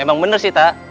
emang bener sih tak